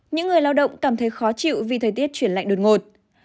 những người lao động cảm thấy khó chịu vì thời tiết chuyển lạnh đột ngột